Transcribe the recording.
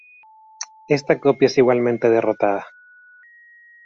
Esta Copia es igualmente derrotada.